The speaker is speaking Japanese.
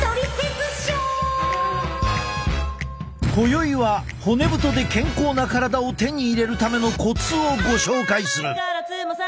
今宵は骨太で健康な体を手に入れるためのコツをご紹介する。